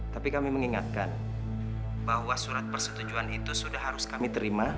tapi kami mengingatkan bahwa surat persetujuan itu sudah harus kami terima